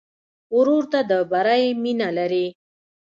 ورور ته د بری مینه لرې.